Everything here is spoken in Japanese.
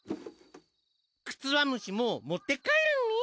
クツワムシも持ってかえるね。